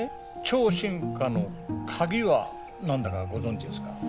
超進化のカギは何だかご存じですか？